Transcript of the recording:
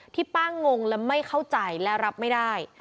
ที่ป้างงและไม่เข้าใจและรับไม่ได้